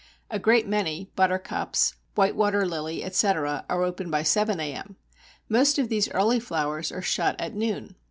A great many (Buttercups, White Water Lily, etc.) are open by seven a.m. Most of these early flowers are shut at noon.